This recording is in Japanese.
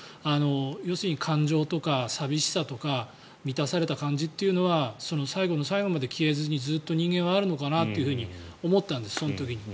要するに感情とか寂しさとか満たされた感じというのは最後の最後まで消えずにずっと人間はあるのかなと思ったんです、その時に。